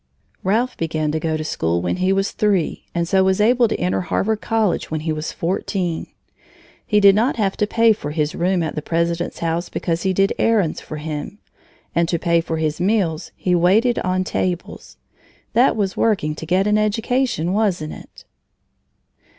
Ralph began to go to school when he was three and so was able to enter Harvard College when he was fourteen. He did not have to pay for his room at the president's house because he did errands for him. And to pay for his meals, he waited on tables. That was working to get an education, wasn't it?